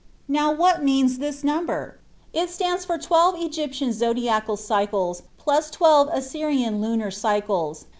Now, what means, this number? It stands for 12 Egyptian zodiacal cycles plus 12 Assyrian lunar cycles.